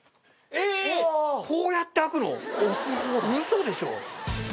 こうやって開くの⁉ウソでしょ